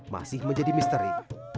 masih menjadi misteri